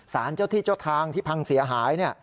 สารเจ้าที่เจ้าทางที่พังเสียหาย